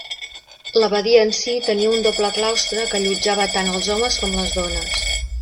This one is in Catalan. L'abadia en si tenia un doble claustre que allotjava tant els homes com les dones.